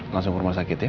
langsung ke rumah sakit ya